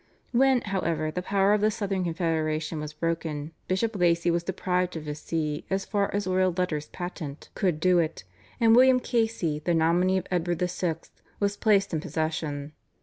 When, however, the power of the Southern confederation was broken Bishop Lacy was deprived of his See as far as royal letters patent could do it, and William Casey, the nominee of Edward VI. was placed in possession.